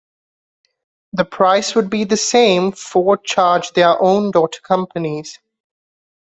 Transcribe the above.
The price would be the same Ford charged their own daughter companies.